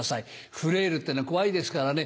フレイルってのは怖いですからね。